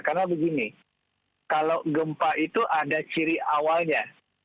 karena begini kalau gempa itu ada ciri awalnya